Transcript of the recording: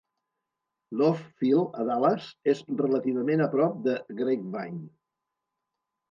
Love Field, a Dallas, és relativament a prop de Grapevine.